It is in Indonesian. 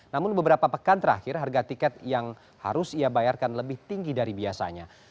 namun beberapa pekan terakhir harga tiket yang harus ia bayarkan lebih tinggi dari biasanya